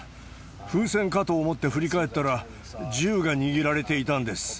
風船かと思って振り返ったら、銃が握られていたんです。